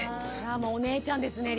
もうお姉ちゃんですね